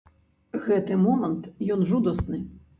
Гэты момант, ён жудасны.